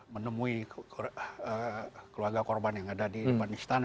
menemui keluarga korban yang ada di depan istana